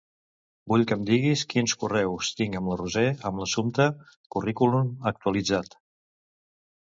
Vull que em diguis quins correus tinc amb la Roser amb l'assumpte "Currículum actualitzat".